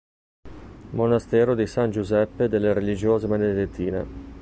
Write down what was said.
Monastero di San Giuseppe delle religiose Benedettine.